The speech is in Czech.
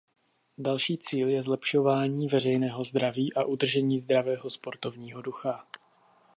Další cíl je zlepšování veřejného zdraví a udržení zdravého sportovního ducha.